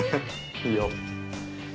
いいよ。